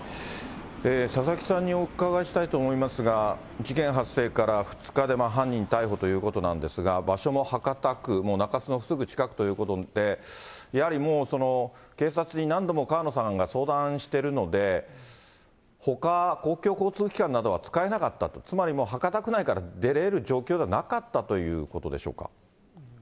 佐々木さんにお伺いしたいと思いますが、事件発生から２日で犯人逮捕ということなんですが、場所も博多区、もう中洲のすぐ近くということで、やはりもう、警察に何度も川野さんが相談してるので、ほか、公共交通機関などは使えなかったと、つまり博多区内から出れる状況ではなかったということでしょうか。